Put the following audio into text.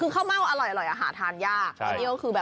ข้าวเม้าอร่อยอาหารทานยาก